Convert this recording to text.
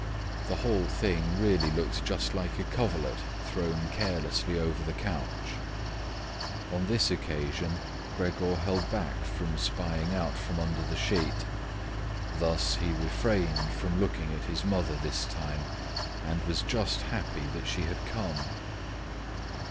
The whole thing really looked just like a coverlet thrown carelessly over the couch. On this occasion, Gregor held back from spying out from under the sheet. Thus, he refrained from looking at his mother this time and was just happy that she had come.